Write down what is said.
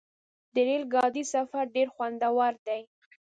د ریل ګاډي سفر ډېر خوندور دی.